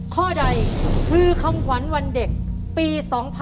ข้อใดคือคำขวัญวันเด็กปี๒๕๖๒